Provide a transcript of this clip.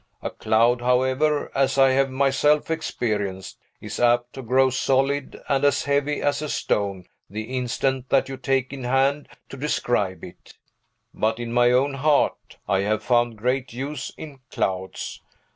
A cloud, however, as I have myself experienced, is apt to grow solid and as heavy as a stone the instant that you take in hand to describe it, But, in my own heart, I have found great use in clouds.